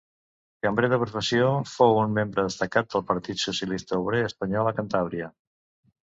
Cambrer de professió, fou un membre destacat del Partit Socialista Obrer Espanyol a Cantàbria.